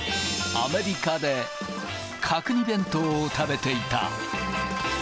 アメリカで角煮弁当を食べていた。